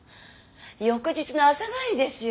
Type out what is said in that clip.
翌日の朝帰りですよ。